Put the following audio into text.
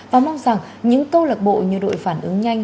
và mong rằng những câu lạc bộ như đội phản ứng nhanh